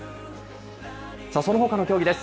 そのほかの競技です。